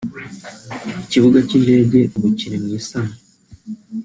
Ikibuga cy’indege ubu kiri mu isanwa